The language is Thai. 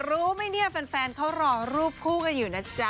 รู้ไหมเนี่ยแฟนเขารอรูปคู่กันอยู่นะจ๊ะ